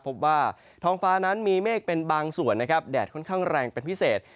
พบว่าท้องฟ้านั้นมีเมฆเป็นบางส่วนนะครับแดดค่อนข้างแรงเป็นพิเศษ